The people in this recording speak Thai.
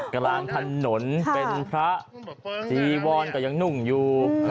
กำลังถนนเป็นพระสีวอนแต่ยังนุ่งอยู่